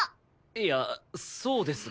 いやそうですが？